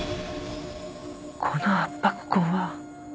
この圧迫痕は？